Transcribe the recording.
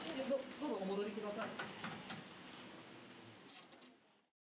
どうぞお戻り下さい。